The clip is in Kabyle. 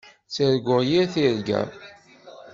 Ttarguɣ yir tirga.